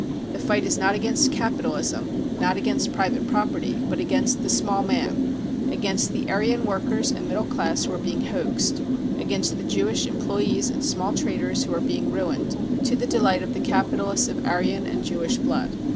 The fight is not against capitalism, not against private property, but against the small man ; against the " Aryan " workers and middle class who are being hoaxed ; against the Jewish employees and small traders, who are l^eing ruined, to the delight of the capitalists of cc Aryan " and Jewish blood.